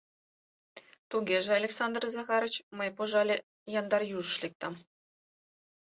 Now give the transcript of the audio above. — Тугеже, Александр Захарыч, мый, пожале, яндар южыш лектам.